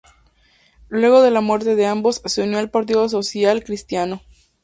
Luego de la muerte de ambos se unió al Partido Social Cristiano.